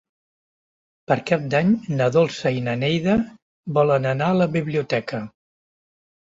Per Cap d'Any na Dolça i na Neida volen anar a la biblioteca.